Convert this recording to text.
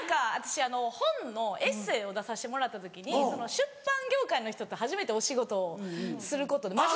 私本のエッセーを出させてもらった時に出版業界の人と初めてお仕事をすることに。